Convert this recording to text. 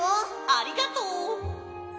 ありがとう！